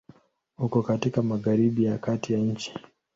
Uko katika Magharibi ya kati ya nchi.